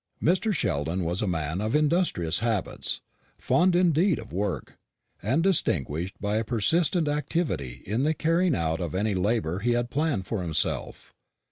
Mr. Sheldon was a man of industrious habits, fond indeed of work, and distinguished by a persistent activity in the carrying out of any labour he had planned for himself.